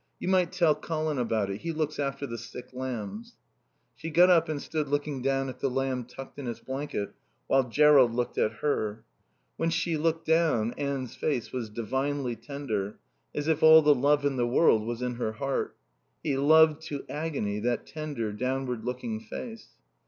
You might tell Colin about it. He looks after the sick lambs." She got up and stood looking down at the lamb tucked in its blanket, while Jerrold looked at her. When she looked down Anne's face was divinely tender, as if all the love in the world was in her heart. He loved to agony that tender, downward looking face.